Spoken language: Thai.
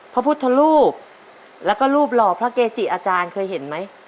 พระพุทธรูปแล้วก็รูปหล่อพระเกจิอาจารย์เคยเห็นไหม